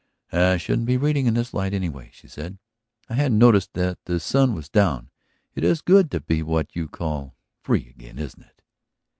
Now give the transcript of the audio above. "I shouldn't be reading in this light, anyway," she said. "I hadn't noticed that the sun was down. It is good to be what you call free again, isn't it?"